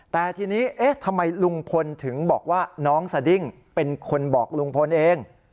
แต่ทีนี้เอ๊ะทำไมลุงพลถึงบอกว่าน้องสดิ้งเป็นคนบอกลุงพลเอง